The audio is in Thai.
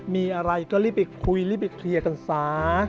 มีอะไรก็รีบไปคุยรีบไปเคลียร์กันซะ